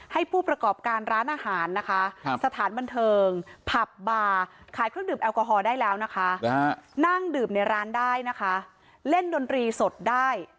ได้แต่ยังห้ามเต้นเต้นไม่ได้นะห้ามเต้นค่ะฟังดนตรีได้